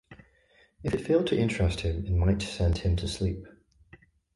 If it failed to interest him, it might send him to sleep.